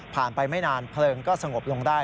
ไปไม่นานเพลิงก็สงบลงได้